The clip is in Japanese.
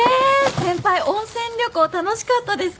先輩温泉旅行楽しかったですか？